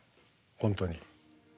本当に。